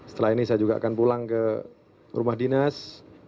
setelah ini saya juga akan pulang ke rumah dinas